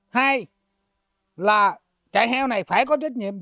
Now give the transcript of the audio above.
hay là chạy heo này phải có trách nhiệm